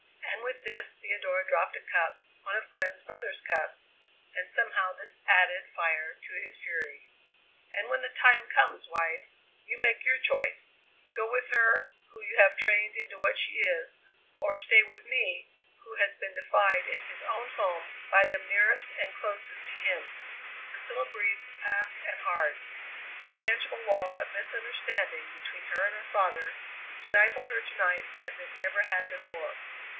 And with this Theodora dropped a cup, one of Glenn's mother's cups, and somehow this added fire to his fury. "And when the time comes, wife, you make your choice: Go with her, who you have trained into what she is, or stay with me who has been defied in his own home, by them nearest and closest to him." Priscilla breathed fast and hard. The tangible wall of misunderstanding between her and her father stifled her to night as it never had before.